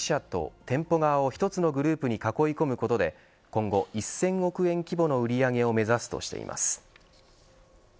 消費者と店舗側を１つのグループに囲い込むことで今後１０００億円規模の売り上げを目指すとしています。